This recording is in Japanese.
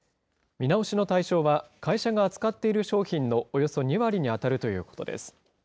見直しの対象は会社が使っている商品のおよそ２割に当たるということです。